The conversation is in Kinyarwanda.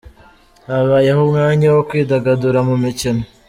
Habayeho umwanya wo kwidagadura mu mikino.